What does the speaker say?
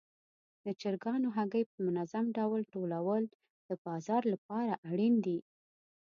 د چرګانو هګۍ په منظم ډول ټولول د بازار لپاره اړین دي.